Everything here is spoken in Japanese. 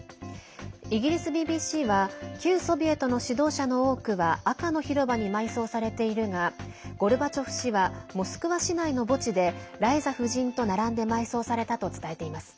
イギリスＢＢＣは旧ソビエトの指導者の多くは赤の広場に埋葬されているがゴルバチョフ氏はモスクワ市内の墓地でライザ夫人と並んで埋葬されたと伝えています。